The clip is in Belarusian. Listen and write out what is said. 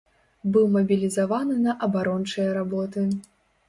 Быў мабілізаваны на абарончыя работы.